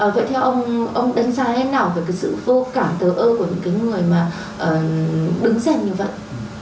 vậy theo ông đánh giá thế nào về sự vô cảm tờ ơ của những người đứng dành như vậy